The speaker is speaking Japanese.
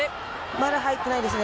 まだ入ってないですね。